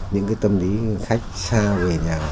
những cái tâm lý khách xa về nhà